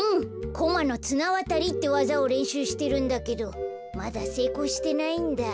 コマのつなわたりってわざをれんしゅうしてるんだけどまだせいこうしてないんだ。